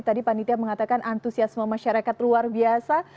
tadi panitia mengatakan antusiasme masyarakat luar biasa